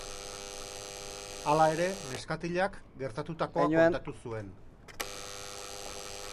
Hala ere, neskatilak gertatutakoa kontatu zuen.